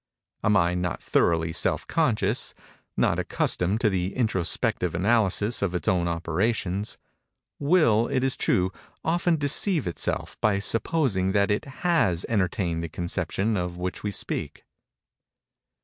A mind not thoroughly self conscious—not accustomed to the introspective analysis of its own operations—will, it is true, often deceive itself by supposing that it has entertained the conception of which we speak.